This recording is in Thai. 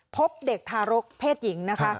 พบเด็กทารกเพศหญิงนะคะ